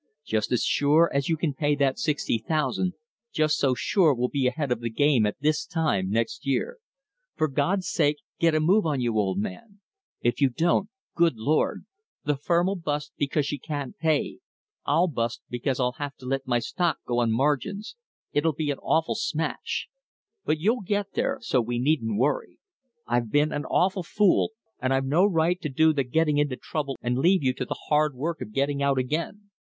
Just as sure as you can pay that sixty thousand, just so sure we'll be ahead of the game at this time next year. For God's sake get a move on you, old man. If you don't good Lord! The firm'll bust because she can't pay; I'll bust because I'll have to let my stock go on margins it'll be an awful smash. But you'll get there, so we needn't worry. I've been an awful fool, and I've no right to do the getting into trouble and leave you to the hard work of getting out again.